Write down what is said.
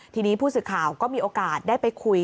ทีนี้ผู้สื่อข่าวก็มีโอกาสได้ไปคุย